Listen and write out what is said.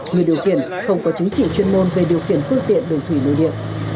người điều khiển không có chính trị chuyên môn về điều khiển phương tiện đường thủy nội địa